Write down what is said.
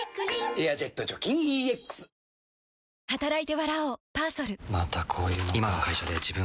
「エアジェット除菌ＥＸ」あっつい！